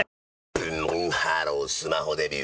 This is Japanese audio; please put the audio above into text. ブンブンハロースマホデビュー！